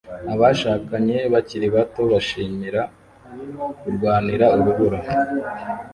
Abashakanye bakiri bato bishimira kurwanira urubura